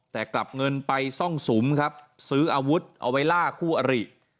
แต่กลับเงินไปซ่องสุมครับซื้ออาวุธเอาไว้ล่าคู่อริ